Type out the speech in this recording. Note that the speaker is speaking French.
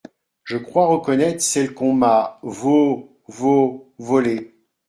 Je crois reconnaître celle qu'on m'a vo … vo … volée !